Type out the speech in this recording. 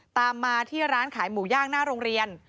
ตามมาที่ร้านขายหมูย่างหน้าโรงเรียน